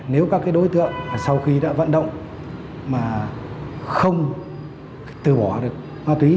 nếu các đối tượng sau khi đã vận động mà không từ bỏ được ma túy